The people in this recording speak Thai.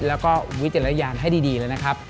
แล้วก็วิจารณญาณให้ดีเลยนะครับ